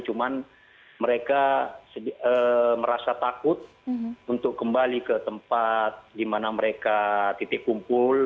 cuma mereka merasa takut untuk kembali ke tempat di mana mereka titik kumpul